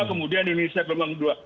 kemudian indonesia gelombang kedua